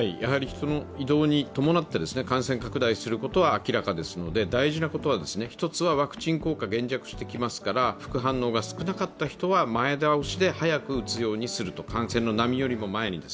移動に伴って感染拡大することは明らかですので大事なことは、１つはワクチン効果が減弱してきますから副反応が少なかった人は前倒しで早く打つようにする、感染の波よりも前に。